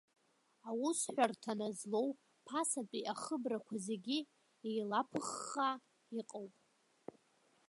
Аусҳәарҭа назлоу, ԥасатәи ахыбрақәа зегьы еилаԥыххаа иҟоуп.